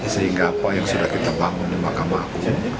sehingga apa yang sudah kita bangun di mahkamah agung